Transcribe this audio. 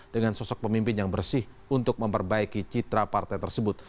dengan sosok pemimpin yang bersih untuk memperbaiki citra partai tersebut